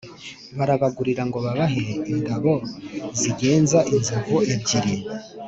barabagurira ngo babahe ingabo zigenza inzovu ebyiri.